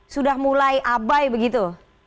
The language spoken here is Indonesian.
sudah mulai abai begitu